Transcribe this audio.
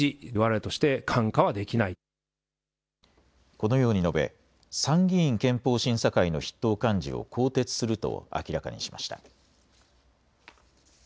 このように述べ、参議院憲法審査会の筆頭幹事を更迭すると明らかにしました。